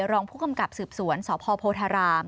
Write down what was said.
รองผู้กำกับสืบสวนสพโพธาราม